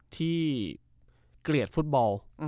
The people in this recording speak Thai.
เกลียดฟุตบอล